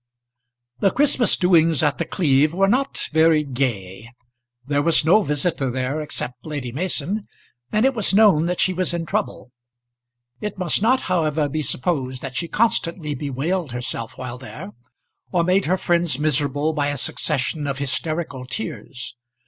The Christmas doings at The Cleeve were not very gay. There was no visitor there, except Lady Mason, and it was known that she was in trouble. It must not, however, be supposed that she constantly bewailed herself while there, or made her friends miserable by a succession of hysterical tears.